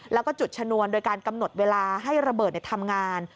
แล้วก็จุดชนวนโดยการกำหนดเวลาให้ระเบิดทำงาน